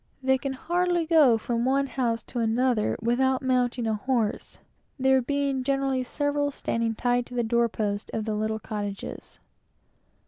They can hardly go from one house to another without getting on a horse, there being generally several standing tied to the door posts of the little cottages.